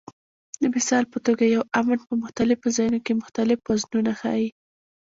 د مثال په توګه یو "امن" په مختلفو ځایونو کې مختلف وزنونه ښيي.